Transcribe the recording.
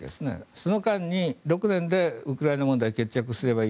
その間に６年でウクライナ問題決着すればいい。